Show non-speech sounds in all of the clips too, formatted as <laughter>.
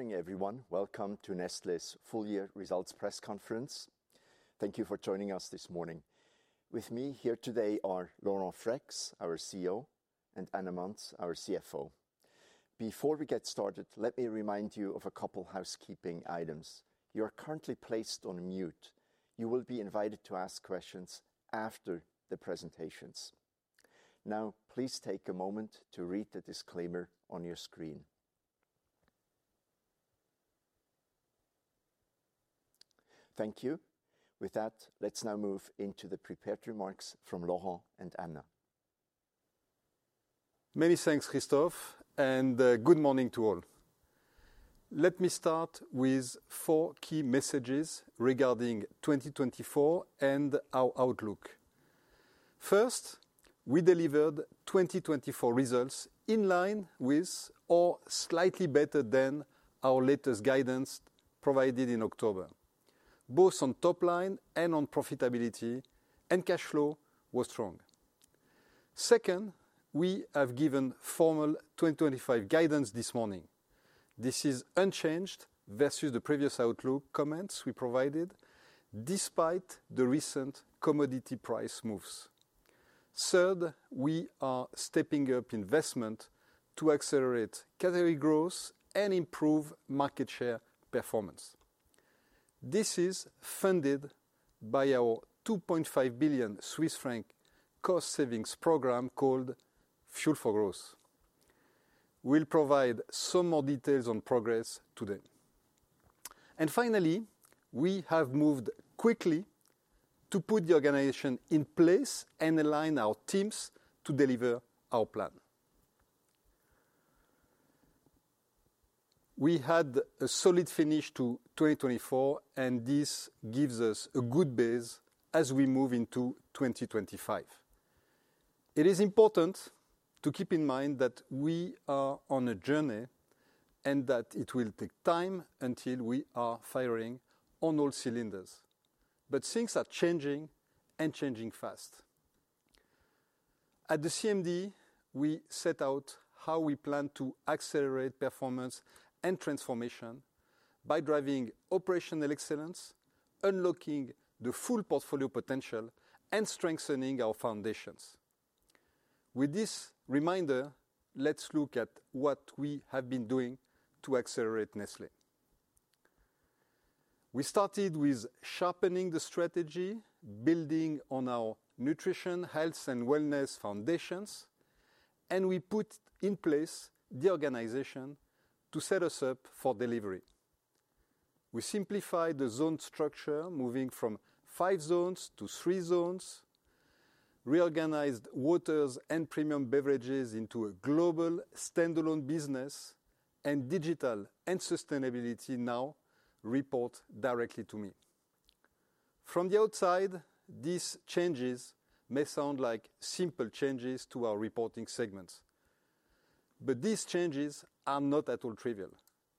Good morning, everyone. Welcome to Nestlé's Full-Year Results Press Conference. Thank you for joining us this morning. With me here today are Laurent Freixe, our CEO, and Anna Manz, our CFO. Before we get started, let me remind you of a couple of housekeeping items. You are currently placed on mute. You will be invited to ask questions after the presentations. Now, please take a moment to read the disclaimer on your screen. Thank you. With that, let's now move into the prepared remarks from Laurent and Anna. Many thanks, Christoph, and good morning to all. Let me start with four key messages regarding 2024 and our outlook. First, we delivered 2024 results in line with, or slightly better than, our latest guidance provided in October, both on top line and on profitability, and cash flow was strong. Second, we have given formal 2025 guidance this morning. This is unchanged versus the previous outlook comments we provided despite the recent commodity price moves. Third, we are stepping up investment to accelerate category growth and improve market share performance. This is funded by our 2.5 billion Swiss franc cost savings program called Fuel for Growth. We'll provide some more details on progress today, and finally, we have moved quickly to put the organization in place and align our teams to deliver our plan. We had a solid finish to 2024, and this gives us a good base as we move into 2025. It is important to keep in mind that we are on a journey and that it will take time until we are firing on all cylinders. But things are changing and changing fast. At the CMD, we set out how we plan to accelerate performance and transformation by driving operational excellence, unlocking the full portfolio potential, and strengthening our foundations. With this reminder, let's look at what we have been doing to accelerate Nestlé. We started with sharpening the strategy, building on our nutrition, health, and wellness foundations, and we put in place the organization to set us up for delivery. We simplified the zone structure, moving from five zones to three zones, reorganized waters and premium beverages into a global standalone business, and digital and sustainability now report directly to me. From the outside, these changes may sound like simple changes to our reporting segments, but these changes are not at all trivial.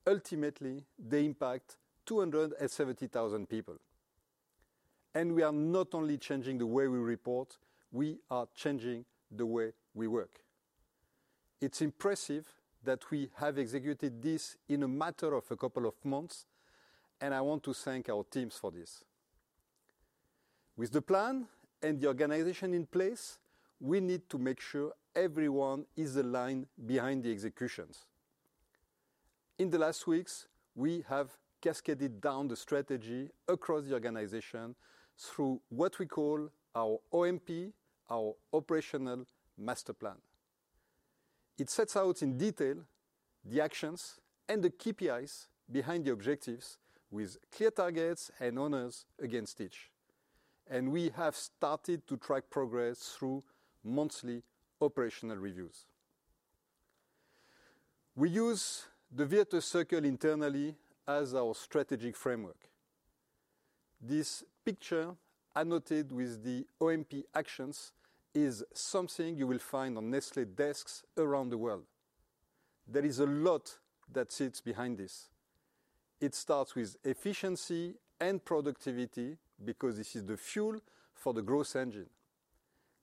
Ultimately, they impact 270,000 people, and we are not only changing the way we report, we are changing the way we work. It's impressive that we have executed this in a matter of a couple of months, and I want to thank our teams for this. With the plan and the organization in place, we need to make sure everyone is aligned behind the executions. In the last weeks, we have cascaded down the strategy across the organization through what we call our OMP, our Operational Master Plan. It sets out in detail the actions and the KPIs behind the objectives with clear targets and milestones against each. We have started to track progress through monthly operational reviews. We use the Virtuous Circle internally as our strategic framework. This picture annotated with the OMP actions is something you will find on Nestlé desks around the world. There is a lot that sits behind this. It starts with efficiency and productivity because this is the fuel for the growth engine.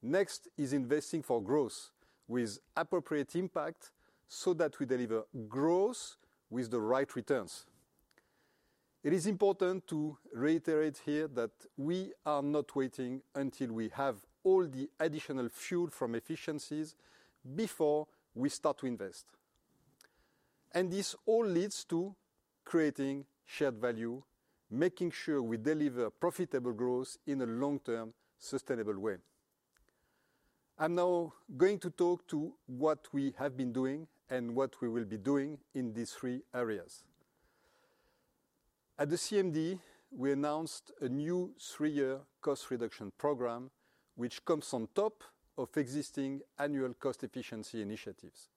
Next is investing for growth with appropriate impact so that we deliver growth with the right returns. It is important to reiterate here that we are not waiting until we have all the additional fuel from efficiencies before we start to invest. This all leads to creating shared value, making sure we deliver profitable growth in a long-term sustainable way. I'm now going to talk to what we have been doing and what we will be doing in these three areas. At the CMD, we announced a new three-year cost reduction program, which comes on top of existing annual cost efficiency initiatives.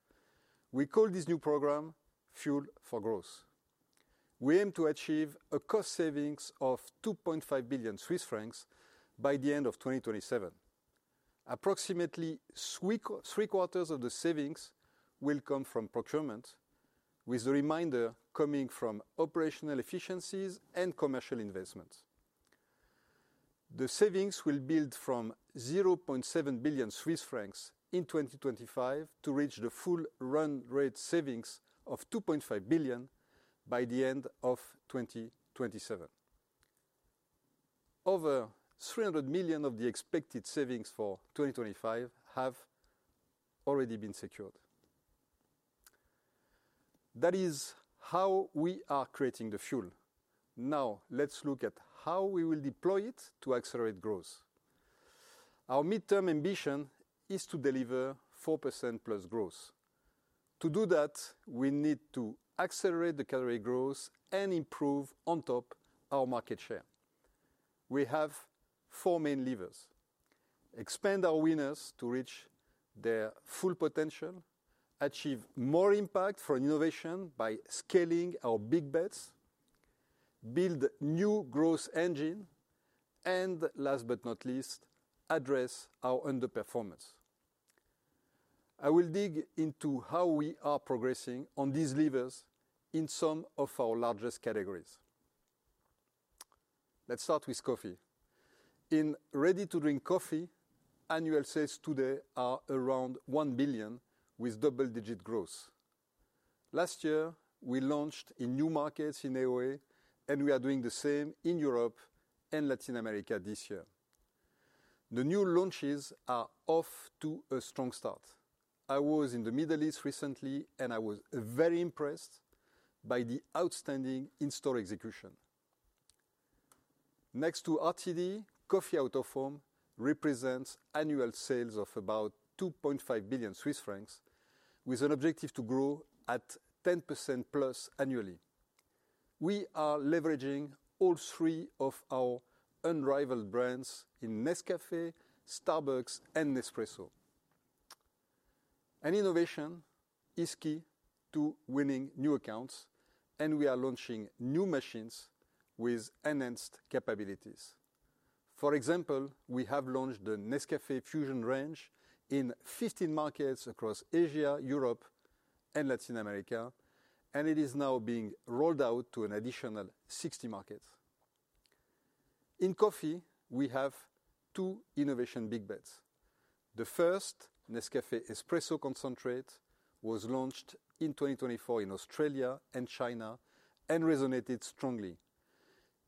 We call this new program Fuel for Growth. We aim to achieve a cost savings of 2.5 billion Swiss francs by the end of 2027. Approximately three quarters of the savings will come from procurement, with the remainder coming from operational efficiencies and commercial investments. The savings will build from 0.7 billion Swiss francs in 2025 to reach the full run rate savings of 2.5 billion CHF by the end of 2027. Over 300 million CHF of the expected savings for 2025 have already been secured. That is how we are creating the fuel. Now, let's look at how we will deploy it to accelerate growth. Our midterm ambition is to deliver 4% plus growth. To do that, we need to accelerate the category growth and improve on top our market share. We have four main levers: expand our winners to reach their full potential, achieve more impact for innovation by scaling our big bets, build a new growth engine, and last but not least, address our underperformance. I will dig into how we are progressing on these levers in some of our largest categories. Let's start with coffee. In ready-to-drink coffee, annual sales today are around 1 billion with double-digit growth. Last year, we launched in new markets in AOA, and we are doing the same in Europe and Latin America this year. The new launches are off to a strong start. I was in the Middle East recently, and I was very impressed by the outstanding in-store execution. Next to RTD, coffee out-of-home represents annual sales of about 2.5 billion Swiss francs, with an objective to grow at 10% plus annually. We are leveraging all three of our unrivaled brands in Nescafé, Starbucks, and Nespresso. Innovation is key to winning new accounts, and we are launching new machines with enhanced capabilities. For example, we have launched the Nescafé Fusion range in 15 markets across Asia, Europe, and Latin America, and it is now being rolled out to an additional 60 markets. In coffee, we have two innovation big bets. The first, Nescafé Espresso Concentrate, was launched in 2024 in Australia and China and resonated strongly.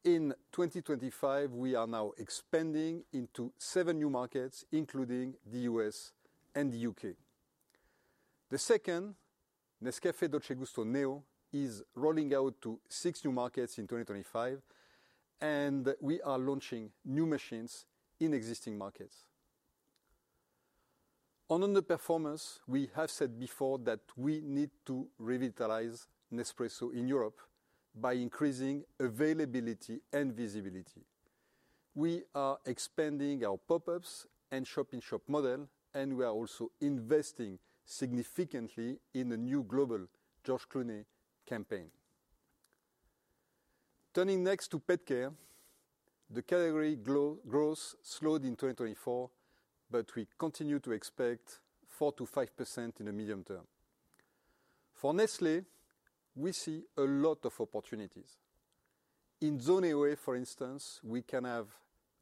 In 2025, we are now expanding into seven new markets, including the U.S. and the U.K. The second, Nescafé Dolce Gusto Neo, is rolling out to six new markets in 2025, and we are launching new machines in existing markets. On underperformance, we have said before that we need to revitalize Nespresso in Europe by increasing availability and visibility. We are expanding our pop-ups and shop-in-shop model, and we are also investing significantly in a new global George Clooney campaign. Turning next to pet care, the category growth slowed in 2024, but we continue to expect 4%-5% in the medium term. For Nestlé, we see a lot of opportunities. In zone AOE, for instance, we can have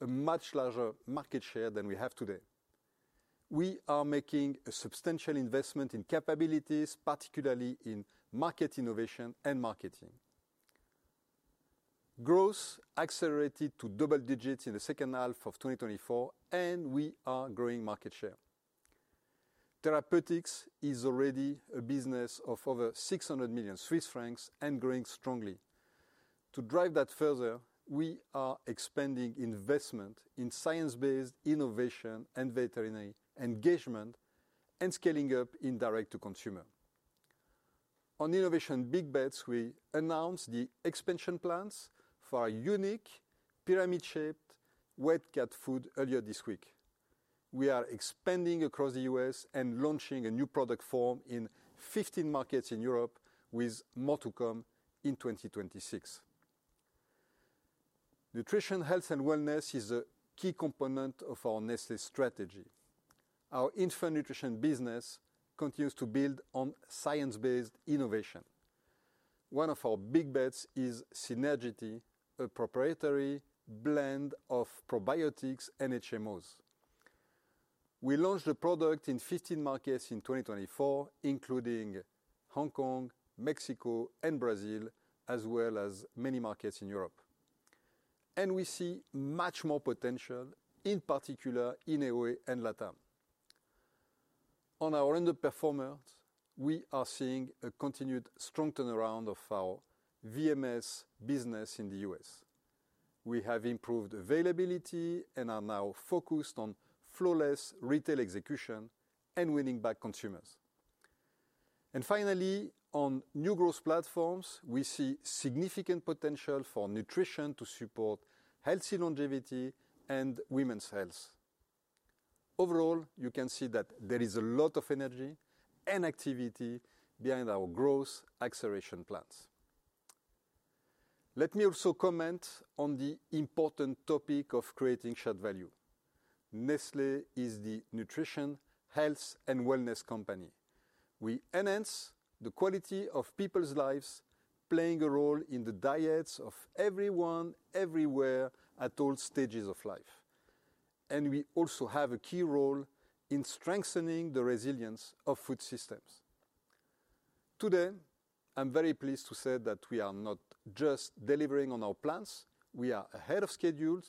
a much larger market share than we have today. We are making a substantial investment in capabilities, particularly in market innovation and marketing. Growth accelerated to double digits in the second half of 2024, and we are growing market share. Therapeutics is already a business of over 600 million Swiss francs and growing strongly. To drive that further, we are expanding investment in science-based innovation and veterinary engagement and scaling up in direct-to-consumer. On innovation big bets, we announced the expansion plans for a unique pyramid-shaped wet cat food earlier this week. We are expanding across the U.S. and launching a new product form in 15 markets in Europe with more to come in 2026. Nutrition, health, and wellness is a key component of our Nestlé strategy. Our infant nutrition business continues to build on science-based innovation. One of our big bets is Sinergity, a proprietary blend of probiotics and HMOs. We launched the product in 15 markets in 2024, including Hong Kong, Mexico, and Brazil, as well as many markets in Europe. We see much more potential, in particular in AOE and LATAM. On our underperformance, we are seeing a continued strengthening around our VMS business in the U.S. We have improved availability and are now focused on flawless retail execution and winning back consumers, and finally, on new growth platforms, we see significant potential for nutrition to support healthy longevity and women's health. Overall, you can see that there is a lot of energy and activity behind our growth acceleration plans. Let me also comment on the important topic of creating shared value. Nestlé is the nutrition, health, and wellness company. We enhance the quality of people's lives, playing a role in the diets of everyone, everywhere, at all stages of life, and we also have a key role in strengthening the resilience of food systems. Today, I'm very pleased to say that we are not just delivering on our plans. We are ahead of schedule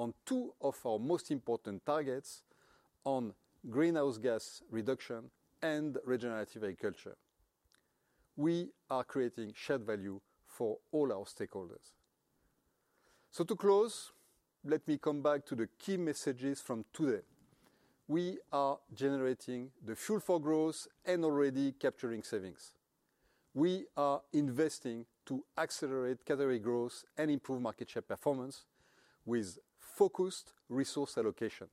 on two of our most important targets on greenhouse gas reduction and regenerative agriculture. We are creating shared value for all our stakeholders. So to close, let me come back to the key messages from today. We are generating the fuel for growth and already capturing savings. We are investing to accelerate category growth and improve market share performance with focused resource allocation.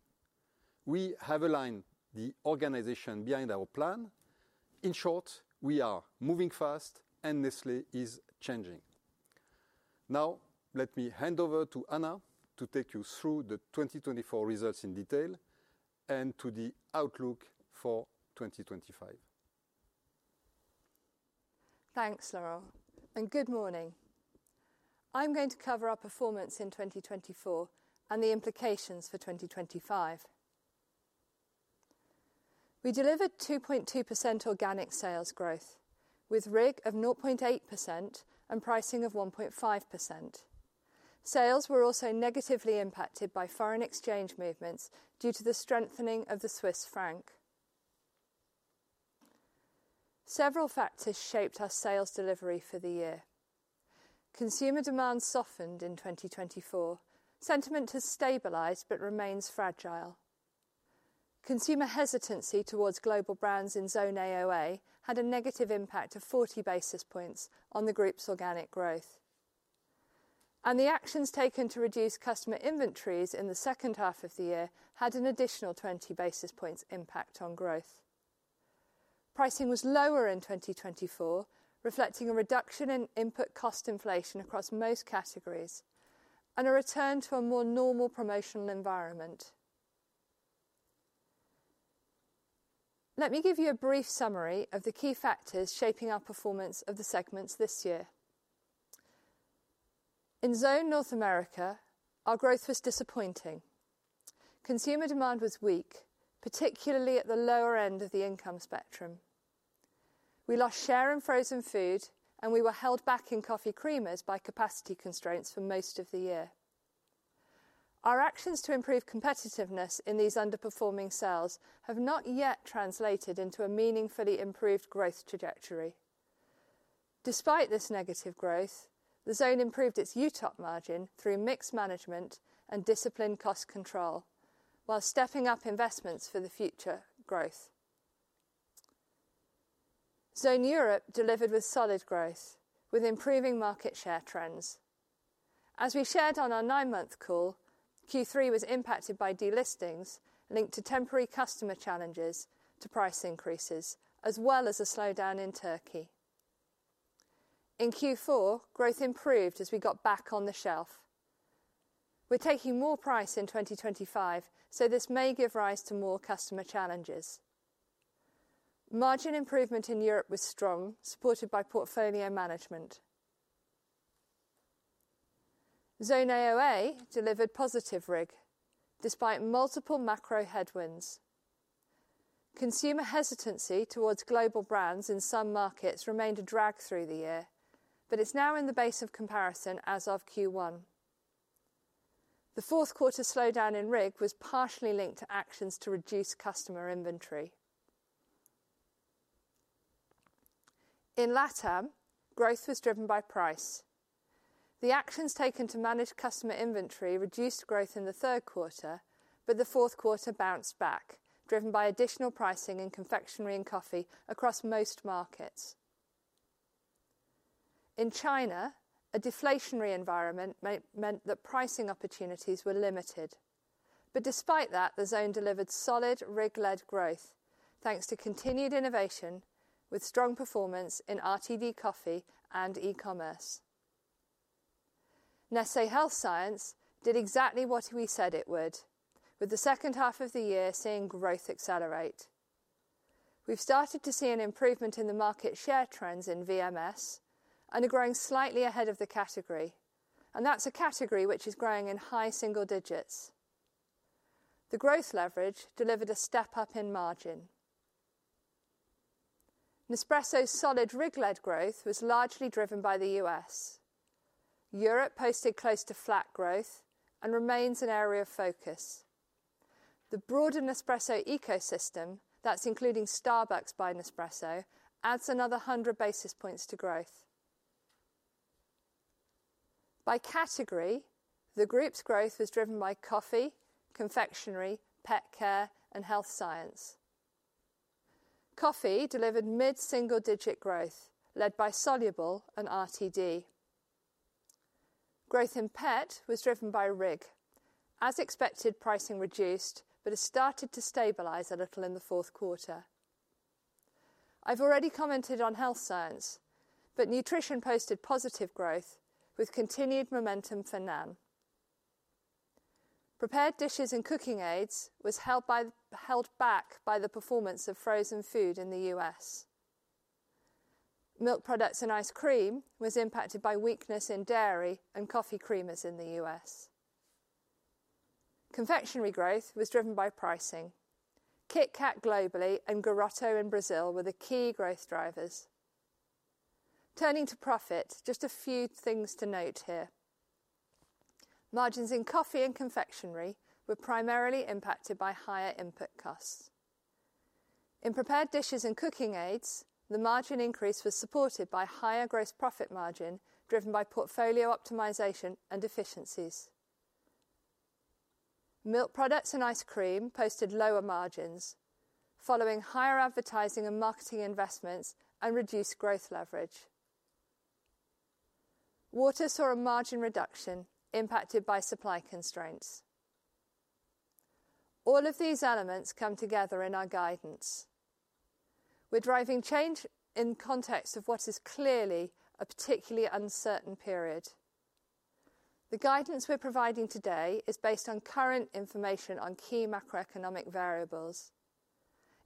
We have aligned the organization behind our plan. In short, we are moving fast and Nestlé is changing. Now, let me hand over to Anna to take you through the 2024 results in detail and to the outlook for 2025. Thanks, Laurent, and good morning. I'm going to cover our performance in 2024 and the implications for 2025. We delivered 2.2% organic sales growth with RIG of 0.8% and pricing of 1.5%. Sales were also negatively impacted by foreign exchange movements due to the strengthening of the Swiss franc. Several factors shaped our sales delivery for the year. Consumer demand softened in 2024. Sentiment has stabilized but remains fragile. Consumer hesitancy towards global brands in Zone AOE had a negative impact of 40 basis points on the group's organic growth, and the actions taken to reduce customer inventories in the second half of the year had an additional 20 basis points impact on growth. Pricing was lower in 2024, reflecting a reduction in input cost inflation across most categories and a return to a more normal promotional environment. Let me give you a brief summary of the key factors shaping our performance of the segments this year. In Zone North America, our growth was disappointing. Consumer demand was weak, particularly at the lower end of the income spectrum. We lost share in frozen food, and we were held back in coffee creamers by capacity constraints for most of the year. Our actions to improve competitiveness in these underperforming cells have not yet translated into a meaningfully improved growth trajectory. Despite this negative growth, the zone improved its UTOP margin through mix management and disciplined cost control, while stepping up investments for the future growth. Zone Europe delivered with solid growth, with improving market share trends. As we shared on our nine-month call, Q3 was impacted by delistings linked to temporary customer challenges to price increases, as well as a slowdown in Turkey. In Q4, growth improved as we got back on the shelf. We're taking more price in 2025, so this may give rise to more customer challenges. Margin improvement in Europe was strong, supported by portfolio management. Zone AOE delivered positive RIG despite multiple macro headwinds. Consumer hesitancy towards global brands in some markets remained a drag through the year, but it's now in the base of comparison as of Q1. The Q4 slowdown in RIG was partially linked to actions to reduce customer inventory. In LATAM, growth was driven by price. The actions taken to manage customer inventory reduced growth in the Q3, but the Q4 bounced back, driven by additional pricing in confectionery and coffee across most markets. In China, a deflationary environment meant that pricing opportunities were limited. But despite that, the zone delivered solid RIG-led growth, thanks to continued innovation with strong performance in RTD coffee and e-commerce. Nestlé Health Science did exactly what we said it would, with the second half of the year seeing growth accelerate. We've started to see an improvement in the market share trends in VMS and are growing slightly ahead of the category. That's a category which is growing in high single digits. The growth leverage delivered a step up in margin. Nespresso's solid RIG-led growth was largely driven by the U.S. Europe posted close to flat growth and remains an area of focus. The broader Nespresso ecosystem, that's including Starbucks by Nespresso, adds another 100 basis points to growth. By category, the group's growth was driven by coffee, confectionery, pet care, and health science. Coffee delivered mid-single digit growth, led by Soluble and RTD. Growth in pet was driven by RIG. As expected, pricing reduced, but it started to stabilize a little in the Q4. I've already commented on health science, but nutrition posted positive growth with continued momentum for Nan. Prepared dishes and cooking aids were held back by the performance of frozen food in the U.S. Milk products and ice cream were impacted by weakness in dairy and coffee creamers in the U.S. Confectionery growth was driven by pricing. KitKat globally and Garoto in Brazil were the key growth drivers. Turning to profit, just a few things to note here. Margins in coffee and confectionery were primarily impacted by higher input costs. In prepared dishes and cooking aids, the margin increase was supported by higher gross profit margin driven by portfolio optimization and efficiencies. Milk products and ice cream posted lower margins, following higher advertising and marketing investments and reduced growth leverage. Water saw a margin reduction impacted by supply constraints. All of these elements come together in our guidance. We're driving change in context of what is clearly a particularly uncertain period. The guidance we're providing today is based on current information on key macroeconomic variables.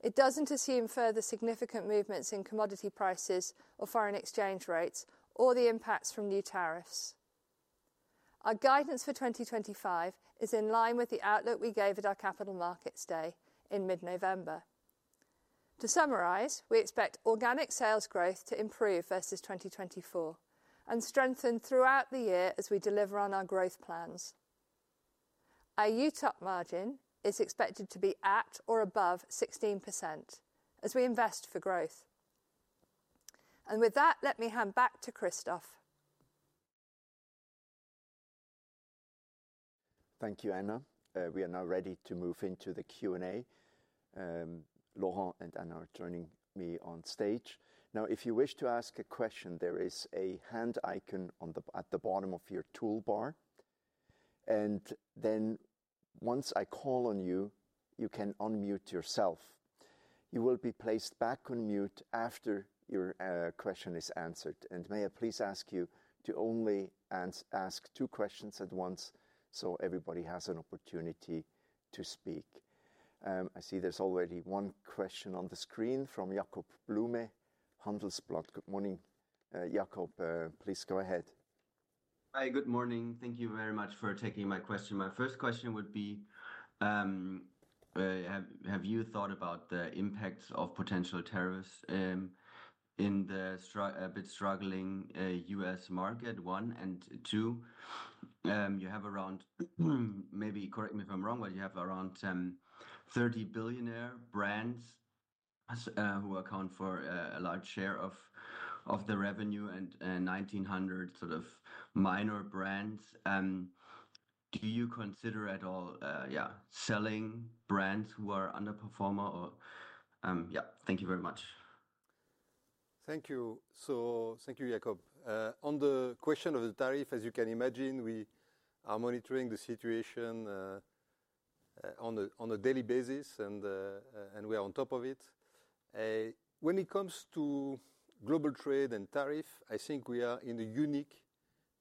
It doesn't assume further significant movements in commodity prices or foreign exchange rates or the impacts from new tariffs. Our guidance for 2025 is in line with the outlook we gave at our capital markets day in mid-November. To summarize, we expect organic sales growth to improve versus 2024 and strengthen throughout the year as we deliver on our growth plans. Our UTOP margin is expected to be at or above 16% as we invest for growth. And with that, let me hand back to Christoph. Thank you, Anna. We are now ready to move into the Q&A. Laurent and Anna are joining me on stage. Now, if you wish to ask a question, there is a hand icon at the bottom of your toolbar. And then once I call on you, you can unmute yourself. You will be placed back on mute after your question is answered. May I please ask you to only ask two questions at once so everybody has an opportunity to speak? I see there's already one question on the screen from Jakob Blume, Handelsblatt. Good morning, Jakob. Please go ahead. Hi, good morning. Thank you very much for taking my question. My first question would be, have you thought about the impacts of potential tariffs in the a bit struggling U.S. market? One and two, you have around, maybe correct me if I'm wrong, but you have around 30 billionaire brands who account for a large share of the revenue and 1,900 sort of minor brands. Do you consider at all, yeah, selling brands who are underperformers or? Yeah, thank you very much. Thank you. So thank you, Jakob. On the question of the tariff, as you can imagine, we are monitoring the situation on a daily basis, and we are on top of it. When it comes to global trade and tariff, I think we are in a unique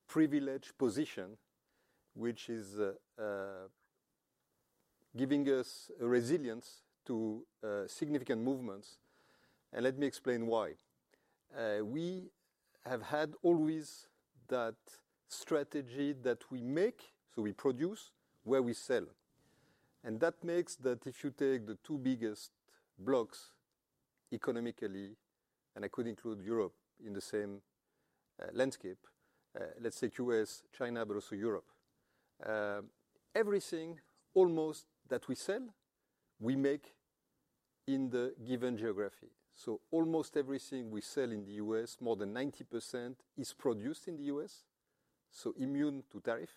privileged position, which is giving us resilience to significant movements. And let me explain why. We have had always that strategy that we make, so we produce where we sell. And that makes that if you take the two biggest blocks economically, and I could include Europe in the same landscape, let's say U.S., China, but also Europe, everything almost that we sell, we make in the given geography. So almost everything we sell in the U.S., more than 90% is produced in the U.S., so immune to tariff.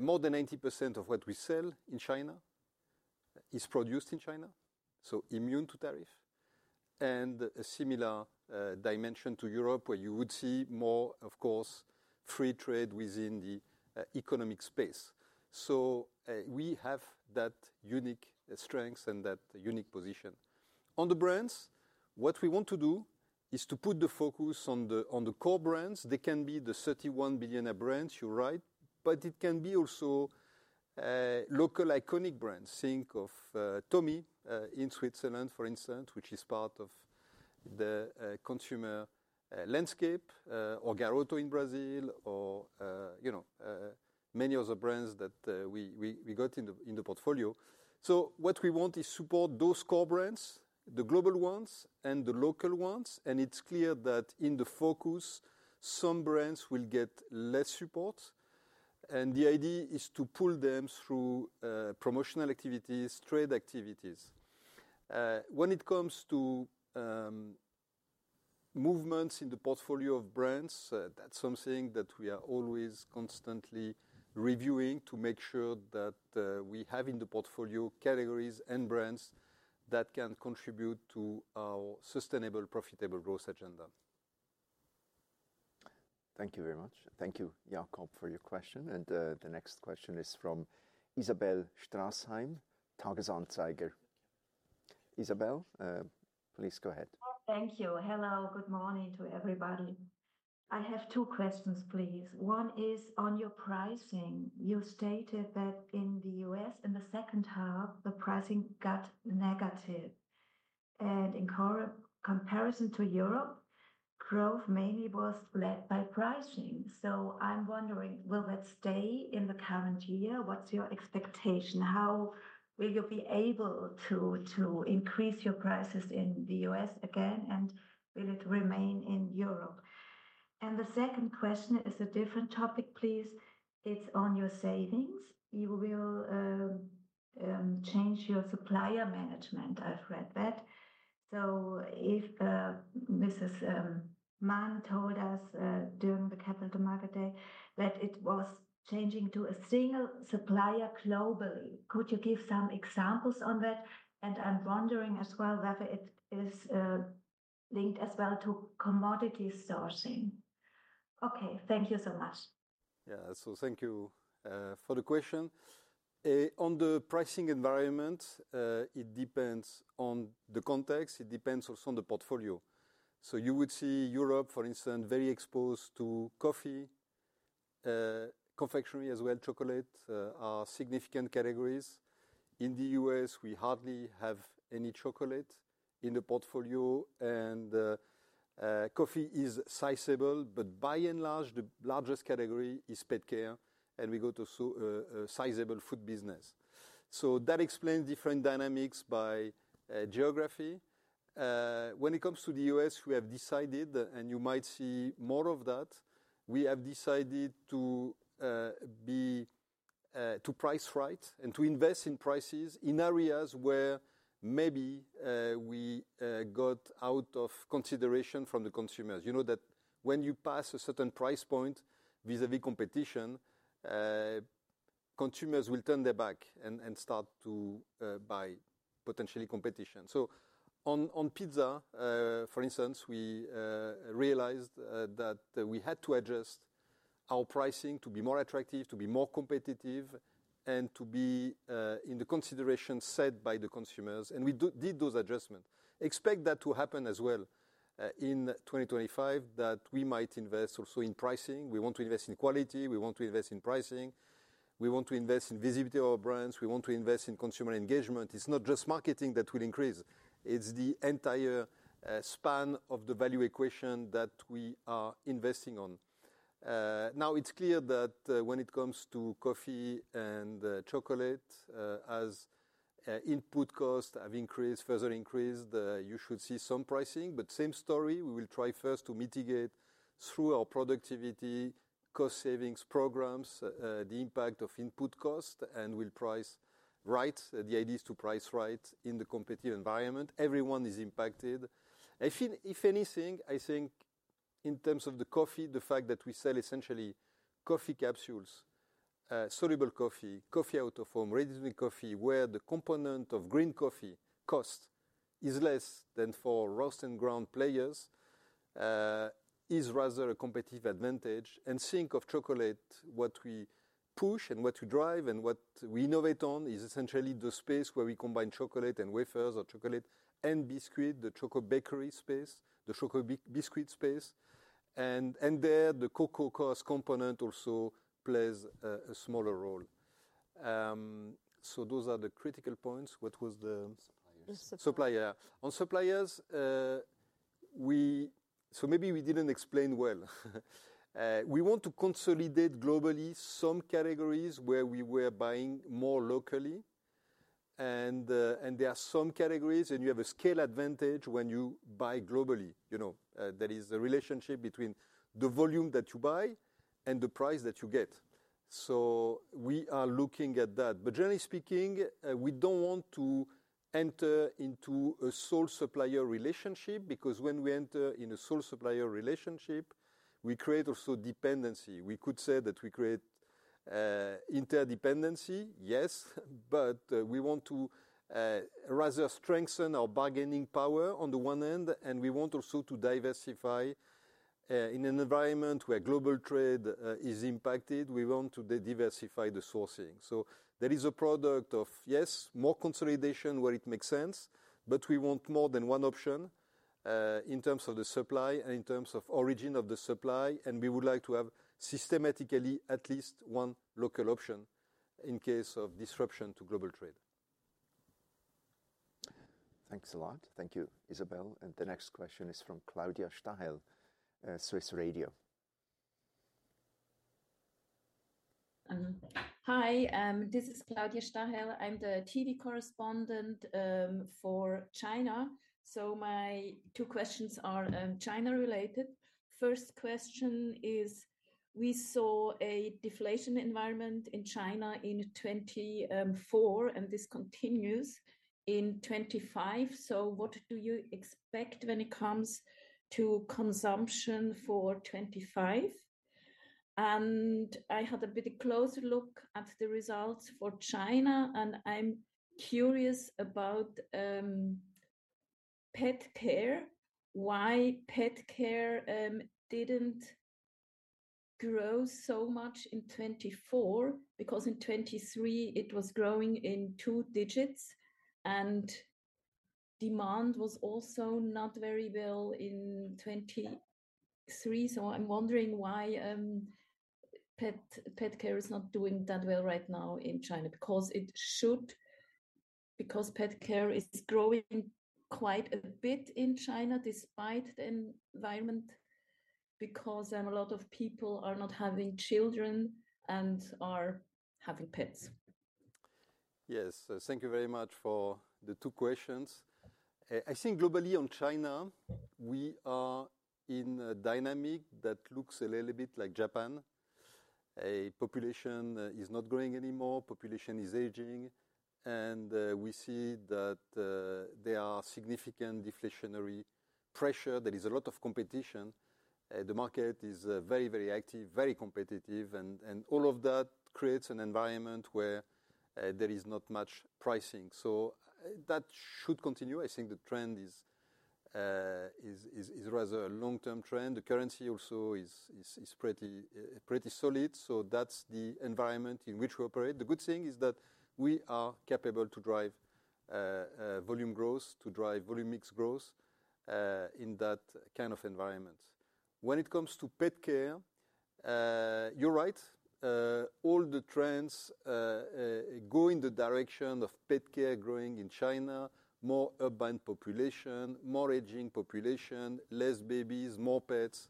More than 90% of what we sell in China is produced in China, so immune to tariff. A similar dimension to Europe, where you would see more, of course, free trade within the economic space. So we have that unique strength and that unique position. On the brands, what we want to do is to put the focus on the core brands. They can be the 31 billionaire brands, you're right, but it can be also local iconic brands. Think of Thomy in Switzerland, for instance, which is part of the consumer landscape, or Garoto in Brazil, or many other brands that we got in the portfolio. So what we want is to support those core brands, the global ones and the local ones. And it's clear that in the focus, some brands will get less support. And the idea is to pull them through promotional activities, trade activities. When it comes to movements in the portfolio of brands, that's something that we are always constantly reviewing to make sure that we have in the portfolio categories and brands that can contribute to our sustainable, profitable growth agenda. Thank you very much. Thank you, Jakob, for your question. And the next question is from Isabel Strassheim, Tages-Anzeiger. Isabel, please go ahead. Thank you. Hello, good morning to everybody. I have two questions, please. One is on your pricing. You stated that in the U.S., in the second half, the pricing got negative. And in comparison to Europe, growth mainly was led by pricing. So I'm wondering, will that stay in the current year? What's your expectation? How will you be able to increase your prices in the U.S. again, and will it remain in Europe? And the second question is a different topic, please. It's on your savings. You will change your supplier management. I've read that. If Mrs. Manz told us during the Capital Markets Day that it was changing to a single supplier globally, could you give some examples on that? And I'm wondering as well whether it is linked as well to commodity sourcing. Okay, thank you so much. Yeah, thank you for the question. On the pricing environment, it depends on the context. It depends also on the portfolio. You would see Europe, for instance, very exposed to coffee, confectionery as well. Chocolate are significant categories. In the US, we hardly have any chocolate in the portfolio. Coffee is sizable, but by and large, the largest category is pet care. We go to sizable food business. That explains different dynamics by geography. When it comes to the U.S., we have decided, and you might see more of that, we have decided to price right and to invest in prices in areas where maybe we got out of consideration from the consumers. You know that when you pass a certain price point vis-à-vis competition, consumers will turn their back and start to buy potentially competition. So on pizza, for instance, we realized that we had to adjust our pricing to be more attractive, to be more competitive, and to be in the consideration set by the consumers, and we did those adjustments. Expect that to happen as well in 2025, that we might invest also in pricing. We want to invest in quality. We want to invest in pricing. We want to invest in visibility of our brands. We want to invest in consumer engagement. It's not just marketing that will increase. It's the entire span of the value equation that we are investing on. Now, it's clear that when it comes to coffee and chocolate, as input costs have increased, further increased, you should see some pricing. But same story. We will try first to mitigate through our productivity, cost savings programs, the impact of input costs, and we'll price right, the ideas to price right in the competitive environment. Everyone is impacted. If anything, I think in terms of the coffee, the fact that we sell essentially coffee capsules, soluble coffee, coffee out of home, ready to make coffee, where the component of green coffee cost is less than for roast and ground players is rather a competitive advantage. And think of chocolate, what we push and what we drive and what we innovate on is essentially the space where we combine chocolate and wafers or chocolate and biscuit, the chocobakery space, the chocobiscuit space. And there, the cocoa cost component also plays a smaller role. So those are the critical points. What was the supplier? On suppliers, so maybe we didn't explain well. We want to consolidate globally some categories where we were buying more locally. And there are some categories, and you have a scale advantage when you buy globally. That is the relationship between the volume that you buy and the price that you get. So we are looking at that. But generally speaking, we don't want to enter into a sole supplier relationship because when we enter in a sole supplier relationship, we create also dependency. We could say that we create interdependency, yes, but we want to rather strengthen our bargaining power on the one hand, and we want also to diversify in an environment where global trade is impacted. We want to diversify the sourcing. So there is a product of, yes, more consolidation where it makes sense, but we want more than one option in terms of the supply and in terms of origin of the supply. And we would like to have systematically at least one local option in case of disruption to global trade. Thanks a lot. Thank you, Isabel. And the next question is from Claudia Stahel, Swiss Radio. Hi, this is Claudia Stahel. I'm the TV correspondent for China. So my two questions are China-related. First question is, we saw a deflation environment in China in 2024, and this continues in 2025. What do you expect when it comes to consumption for 2025? I had a bit of a closer look at the results for China, and I'm curious about pet care, why pet care didn't grow so much in 2024, because in 2023, it was growing in two digits, and demand was also not very well in 2023. I'm wondering why pet care is not doing that well right now in China, because pet care is growing quite a bit in China despite the environment, because a lot of people are not having children and are having pets. Yes, thank you very much for the two questions. I think globally on China, we are in a dynamic that looks a little bit like Japan. Population is not growing anymore. Population is aging. We see that there are significant deflationary pressure. There is a lot of competition. The market is very, very active, very competitive, and all of that creates an environment where there is not much pricing, so that should continue. I think the trend is rather a long-term trend. The currency also is pretty solid, so that's the environment in which we operate. The good thing is that we are capable to drive volume growth, to drive volume mix growth in that kind of environment. When it comes to pet care, you're right. All the trends go in the direction of pet care growing in China, more urban population, more aging population, less babies, more pets,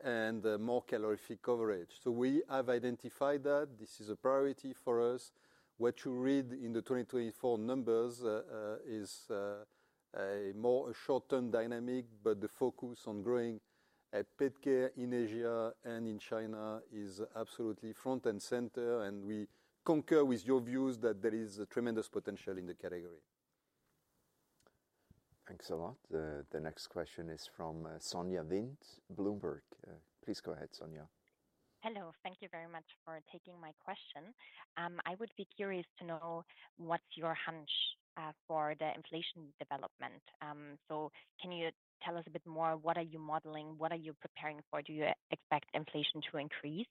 and more calorific coverage. So we have identified that. This is a priority for us. What you read in the 2024 numbers is a more short-term dynamic, but the focus on growing pet care in Asia and in China is absolutely front and center. And we concur with your views that there is tremendous potential in the category. Thanks a lot. The next question is from Sonja Wind, Bloomberg. Please go ahead, Sonja. Hello. Thank you very much for taking my question. I would be curious to know what's your hunch for the inflation development. So can you tell us a bit more? What are you modeling? What are you preparing for? Do you expect inflation to increase?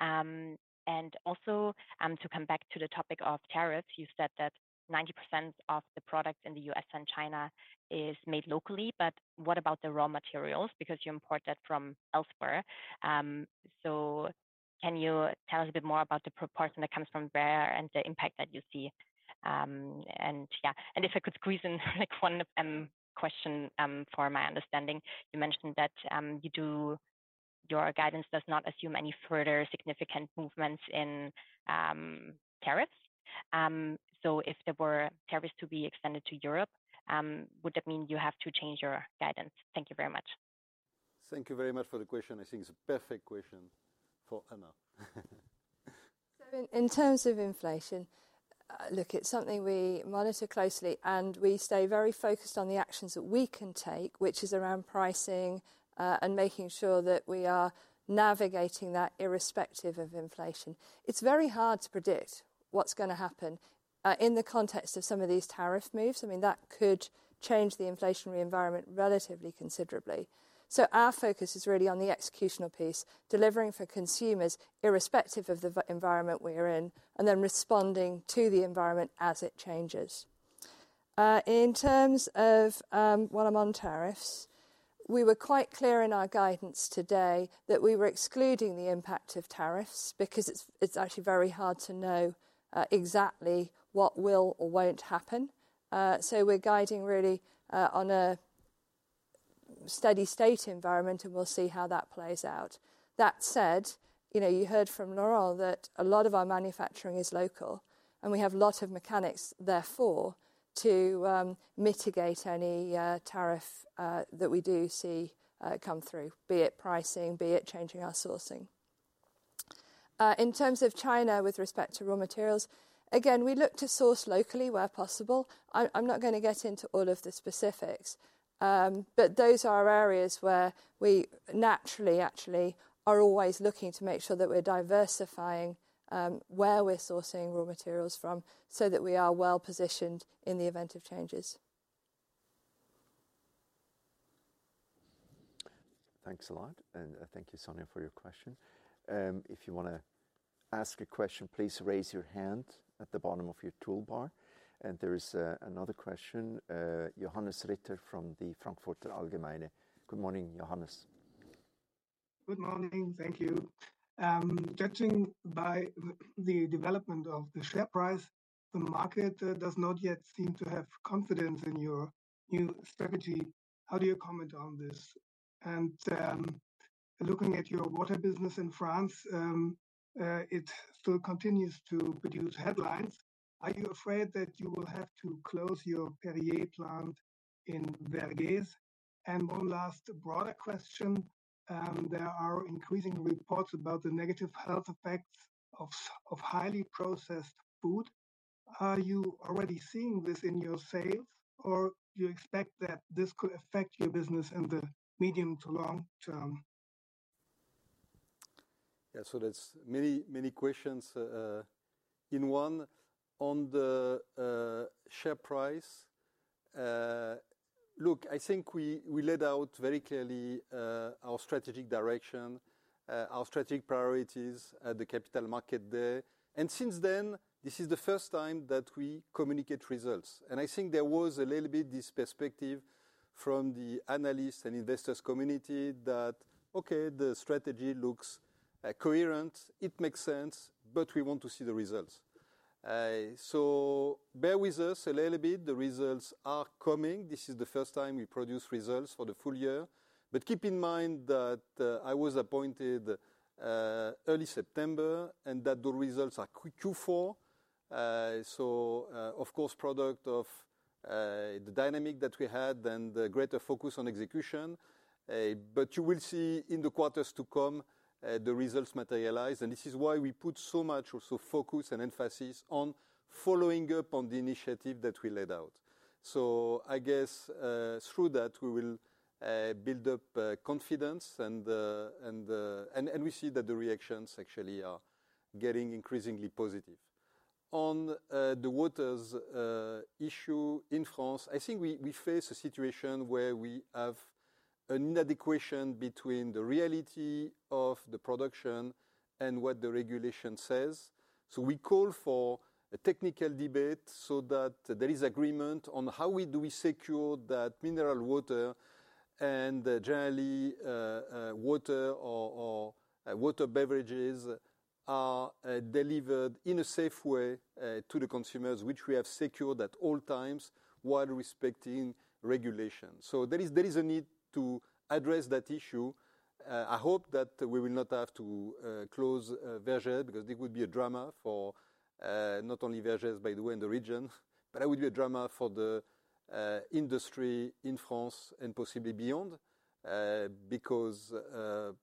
And also, to come back to the topic of tariffs, you said that 90% of the products in the U.S. and China is made locally, but what about the raw materials? Because you import that from elsewhere. So can you tell us a bit more about the proportion that comes from where and the impact that you see? And yeah, and if I could squeeze in one question for my understanding, you mentioned that your guidance does not assume any further significant movements in tariffs. So if there were tariffs to be extended to Europe, would that mean you have to change your guidance? Thank you very much. Thank you very much for the question. I think it's a perfect question for Anna. So in terms of inflation, look, it's something we monitor closely, and we stay very focused on the actions that we can take, which is around pricing and making sure that we are navigating that irrespective of inflation. It's very hard to predict what's going to happen in the context of some of these tariff moves. I mean, that could change the inflationary environment relatively considerably. Our focus is really on the executional piece, delivering for consumers irrespective of the environment we are in, and then responding to the environment as it changes. In terms of what I'm saying on tariffs, we were quite clear in our guidance today that we were excluding the impact of tariffs because it's actually very hard to know exactly what will or won't happen. We're guiding really on a steady state environment, and we'll see how that plays out. That said, you heard from Laurent that a lot of our manufacturing is local, and we have a lot of mechanics therefore to mitigate any tariff that we do see come through, be it pricing, be it changing our sourcing. In terms of China with respect to raw materials, again, we look to source locally where possible. I'm not going to get into all of the specifics, but those are areas where we naturally actually are always looking to make sure that we're diversifying where we're sourcing raw materials from so that we are well positioned in the event of changes. Thanks a lot. And thank you, Sonia, for your question. If you want to ask a question, please raise your hand at the bottom of your toolbar. And there is another question, Johannes Ritter from the Frankfurter Allgemeine. Good morning, Johannes. Good morning. Thank you. Judging by the development of the share price, the market does not yet seem to have confidence in your new strategy. How do you comment on this? And looking at your water business in France, it still continues to produce headlines. Are you afraid that you will have to close your Perrier plant in Vergèze? And one last broader question. There are increasing reports about the negative health effects of highly processed food. Are you already seeing this in your sales, or do you expect that this could affect your business in the medium to long term? Yeah, so that's many, many questions in one on the share price. Look, I think we laid out very clearly our strategic direction, our strategic priorities at the Capital Markets Day. And since then, this is the first time that we communicate results. And I think there was a little bit this perspective from the analysts and investors' community that, okay, the strategy looks coherent, it makes sense, but we want to see the results. So bear with us a little bit. The results are coming. This is the first time we produce results for the full year. But keep in mind that I was appointed early September and that the results are Q4. So, of course, product of the dynamic that we had and the greater focus on execution. But you will see in the quarters to come the results materialize. And this is why we put so much also focus and emphasis on following up on the initiative that we laid out. So I guess through that, we will build up confidence, and we see that the reactions actually are getting increasingly positive. On the waters issue in France, I think we face a situation where we have an inadequacy between the reality of the production and what the regulation says. We call for a technical debate so that there is agreement on how we secure that mineral water and generally water or water beverages are delivered in a safe way to the consumers, which we have secured at all times while respecting regulation. So there is a need to address that issue. I hope that we will not have to close Vergèze because it would be a drama for not only Vergèze, by the way, in the region, but it would be a drama for the industry in France and possibly beyond because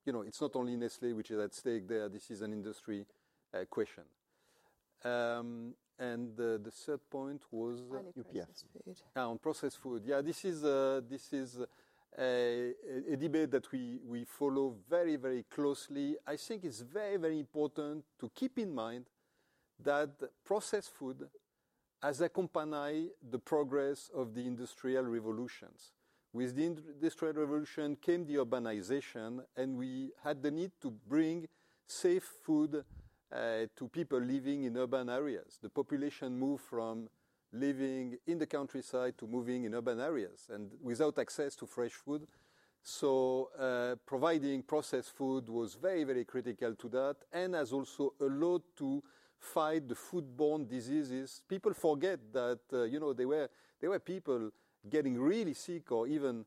it's not only Nestlé, which is at stake there. This is an industry question. The third point was UPF. On processed food. Yeah, this is a debate that we follow very, very closely. I think it's very, very important to keep in mind that processed food has accompanied the progress of the industrial revolutions. With the industrial revolution came the urbanization, and we had the need to bring safe food to people living in urban areas. The population moved from living in the countryside to moving in urban areas and without access to fresh food, so providing processed food was very, very critical to that and has also a lot to fight the food-borne diseases. People forget that they were people getting really sick or even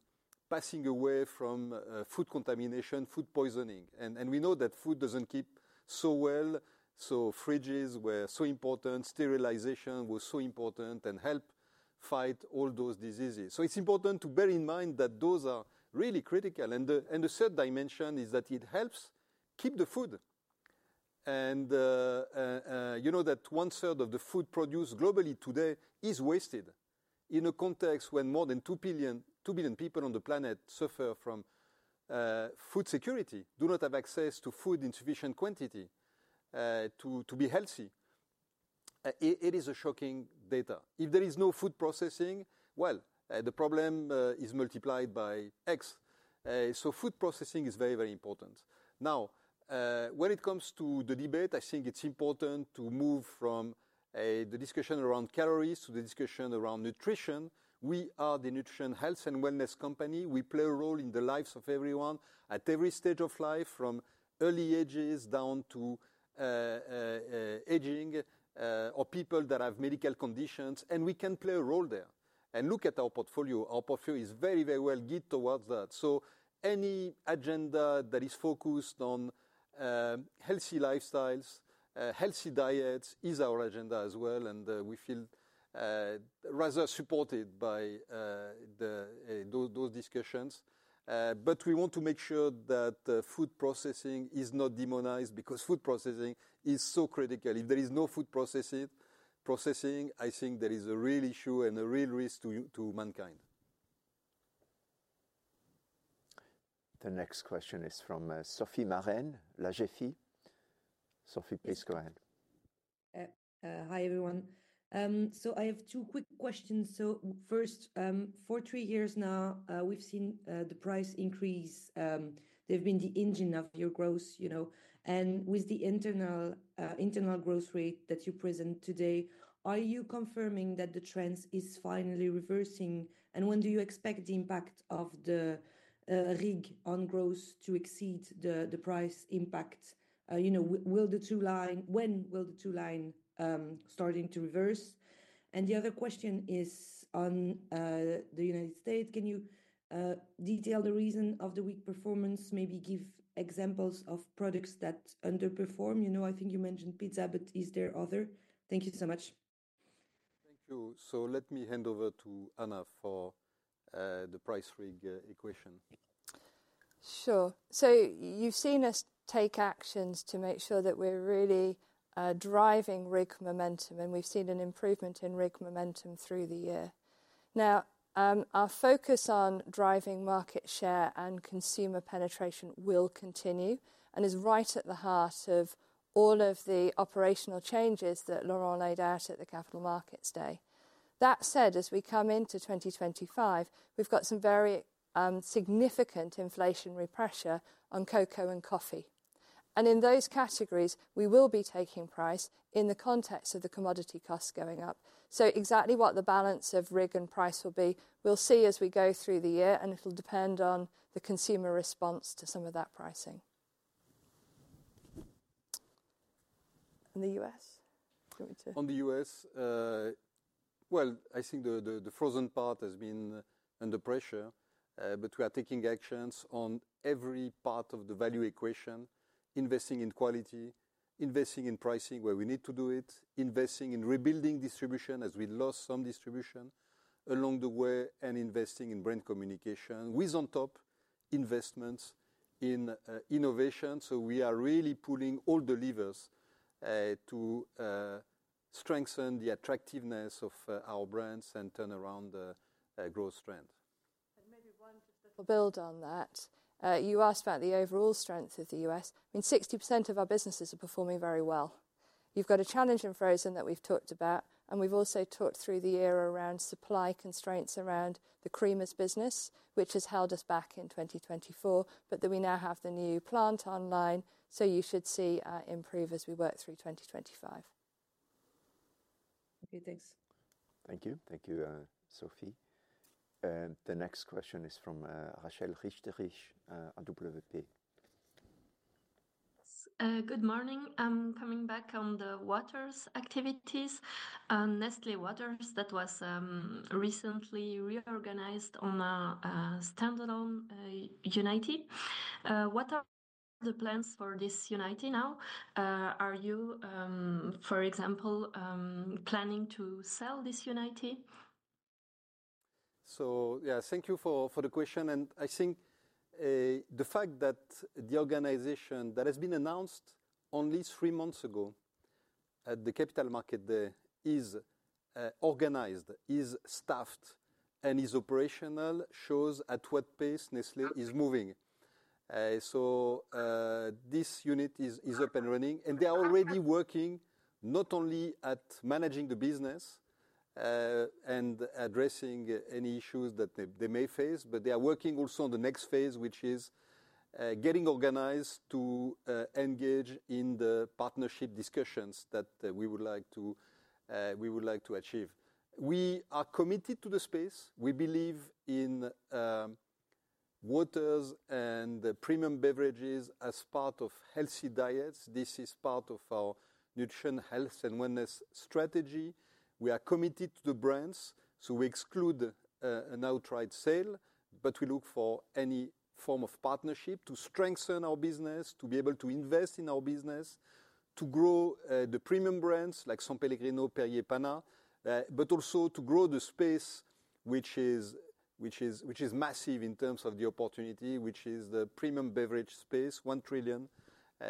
passing away from food contamination, food poisoning, and we know that food doesn't keep so well, so fridges were so important. Sterilization was so important and helped fight all those diseases, so it's important to bear in mind that those are really critical, and the third dimension is that it helps keep the food. You know that one-third of the food produced globally today is wasted in a context when more than two billion people on the planet suffer from food security, do not have access to food in sufficient quantity to be healthy. It is a shocking data. If there is no food processing, well, the problem is multiplied by X. Food processing is very, very important. Now, when it comes to the debate, I think it is important to move from the discussion around calories to the discussion around nutrition. We are the nutrition health and wellness company. We play a role in the lives of everyone at every stage of life, from early ages down to aging or people that have medical conditions. We can play a role there and look at our portfolio. Our portfolio is very, very well geared towards that. Any agenda that is focused on healthy lifestyles, healthy diets is our agenda as well. And we feel rather supported by those discussions. But we want to make sure that food processing is not demonized because food processing is so critical. If there is no food processing, I think there is a real issue and a real risk to mankind. The next question is from Sophie Martin. <inaudible> Sophie, please go ahead. Hi everyone. So I have two quick questions. So first, for three years now, we've seen the price increase. They've been the engine of your growth. And with the internal growth rate that you present today, are you confirming that the trend is finally reversing? And when do you expect the impact of the RIG on growth to exceed the price impact? When will the two-line start to reverse? The other question is on the United States. Can you detail the reason of the weak performance? Maybe give examples of products that underperform. I think you mentioned pizza, but is there other? Thank you so much. Thank you. So let me hand over to Anna for the price RIG equation. Sure. So you've seen us take actions to make sure that we're really driving RIG momentum, and we've seen an improvement in RIG momentum through the year. Now, our focus on driving market share and consumer penetration will continue and is right at the heart of all of the operational changes that Laurent laid out at the Capital Markets Day. That said, as we come into 2025, we've got some very significant inflationary pressure on cocoa and coffee. And in those categories, we will be taking price in the context of the commodity costs going up. So exactly what the balance of RIG and price will be, we'll see as we go through the year, and it'll depend on the consumer response to some of that pricing. In the U.S.? On the U.S., well, I think the frozen part has been under pressure, but we are taking actions on every part of the value equation, investing in quality, investing in pricing where we need to do it, investing in rebuilding distribution as we lost some distribution along the way, and investing in brand communication with on top investments in innovation. So we are really pulling all the levers to strengthen the attractiveness of our brands and turn around the growth trend. And maybe one just to build on that, you asked about the overall strength of the U.S. I mean, 60% of our businesses are performing very well. You've got a challenge in frozen that we've talked about, and we've also talked through the year around supply constraints around the creamer's business, which has held us back in 2024, but that we now have the new plant online. So you should see us improve as we work through 2025. Thank you. Thank you. Thank you, Sophie. And the next question is from Rachel Richterich, AWP. Good morning. I'm coming back on the waters activities. Nestlé Waters, that was recently reorganized on a standalone unit. What are the plans for this unit now? Are you, for example, planning to sell this unit? So yeah, thank you for the question. And I think the fact that the organization that has been announced only three months ago at the Capital Markets Day is organized, is staffed, and is operational shows at what pace Nestlé is moving. This unit is up and running, and they are already working not only at managing the business and addressing any issues that they may face, but they are working also on the next phase, which is getting organized to engage in the partnership discussions that we would like to achieve. We are committed to the space. We believe in waters and premium beverages as part of healthy diets. This is part of our nutrition, health, and wellness strategy. We are committed to the brands, so we exclude an outright sale, but we look for any form of partnership to strengthen our business, to be able to invest in our business, to grow the premium brands like S. Pellegrino, Perrier, Panna, but also to grow the space, which is massive in terms of the opportunity, which is the premium beverage space, 1 trillion,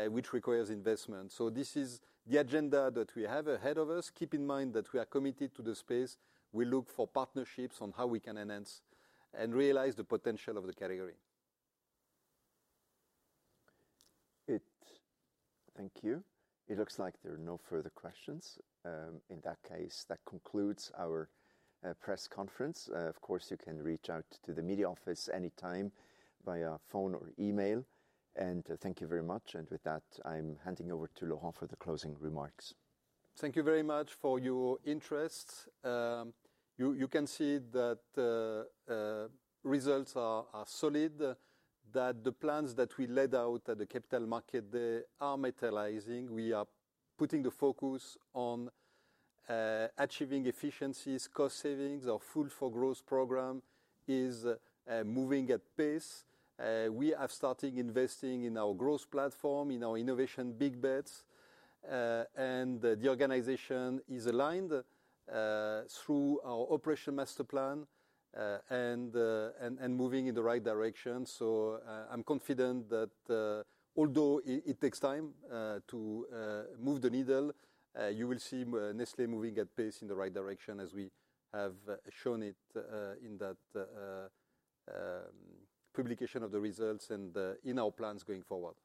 which requires investment. So this is the agenda that we have ahead of us. Keep in mind that we are committed to the space. We look for partnerships on how we can enhance and realize the potential of the category. Thank you. It looks like there are no further questions. In that case, that concludes our press conference. Of course, you can reach out to the media office anytime via phone or email. And thank you very much. And with that, I'm handing over to Laurent for the closing remarks. Thank you very much for your interest. You can see that results are solid, that the plans that we laid out at the Capital Markets Day are materializing. We are putting the focus on achieving efficiencies, cost savings. Our Fuel for Growth program is moving at pace. We are starting investing in our growth platform, in our innovation big bets. The organization is aligned through our Operational Master Plan and moving in the right direction. I'm confident that although it takes time to move the needle, you will see Nestlé moving at pace in the right direction as we have shown it in that publication of the results and in our plans going forward.